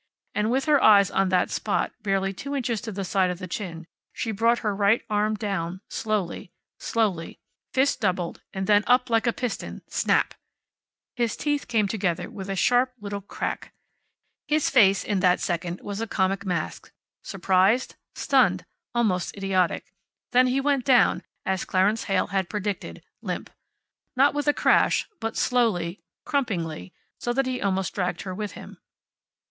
And with her eyes on that spot barely two inches to the side of the chin she brought her right arm down, slowly, slowly, fist doubled, and then up like a piston snap! His teeth came together with a sharp little crack. His face, in that second, was a comic mask, surprised, stunned, almost idiotic. Then he went down, as Clarence Heyl had predicted, limp. Not with a crash, but slowly, crumpingly, so that he almost dragged her with him.